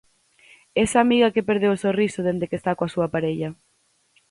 Esa amiga que perdeu o sorriso dende que está coa súa parella.